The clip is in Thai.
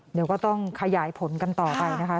เดี๋ยวก็ต้องขยายผลกันต่อไปนะคะ